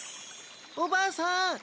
おばあさん！